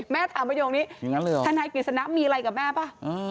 แม่ถามประโยคนี้ทนายกฤษณะมีอะไรกับแม่ป่ะ